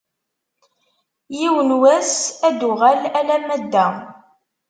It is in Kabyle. Yiwen n wass ad d-tuɣal alamma d da.